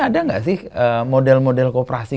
ada nggak sih model model kooperasi